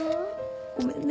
ごめんね。